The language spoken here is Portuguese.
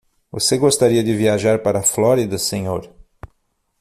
Você gostaria de viajar para a Flórida, senhor?